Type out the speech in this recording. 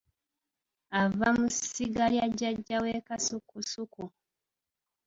Ava mu ssiga lya jjajja we Kasukusuku.